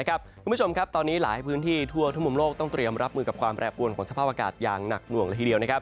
คุณผู้ชมครับตอนนี้หลายพื้นที่ทั่วทุกมุมโลกต้องเตรียมรับมือกับความแปรปวนของสภาพอากาศอย่างหนักหน่วงละทีเดียว